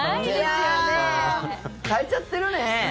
変えちゃってるね。